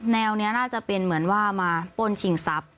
แนวนี้น่าจะเป็นเหมือนว่ามาป้นชิงทรัพย์